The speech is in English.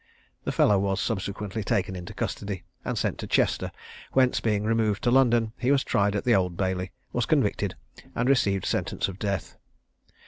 The fellow was, subsequently, taken into custody, and sent to Chester, whence being removed to London, he was tried at the Old Bailey, was convicted, and received sentence of death.